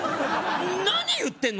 何言ってんの？